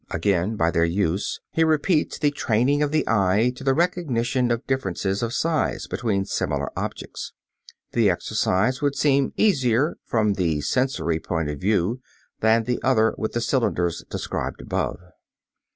Again, by their use, he repeats the training of the eye to the recognition of differences of size between similar objects. The exercise would seem easier, from the sensory point of view, than the other with the cylinders described above.